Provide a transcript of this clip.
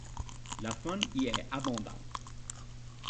La faune y est abondante.